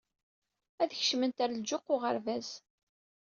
Ad kecment ɣer lǧuq uɣerbaz.